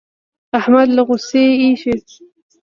احمد له غوسې اېشي.